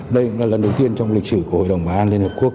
đây cũng là lần đầu tiên trong lịch sử của hội đồng bảo an liên hợp quốc